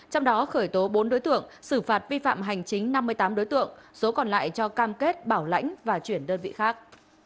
trong đó khởi tố bốn đối tượng xử phạt vi phạm hành chính năm mươi tám đối tượng số còn lại cho cam kết bảo lãnh và chuyển đơn vị khác